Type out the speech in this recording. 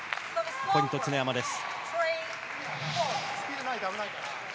ポイント、常山です。